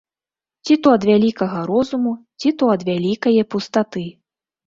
Ці то ад вялікага розуму, ці то ад вялікае пустаты.